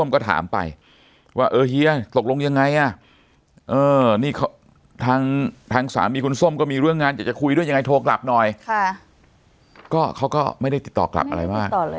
ขอเวลา๓วันปีที่แล้ว